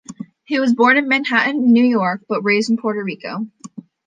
He was born in Manhattan, New York, but raised in Puerto Rico.